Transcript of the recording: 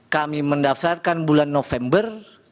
kami mendaftarkan bulan november